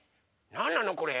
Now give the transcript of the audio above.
なんなのこれ？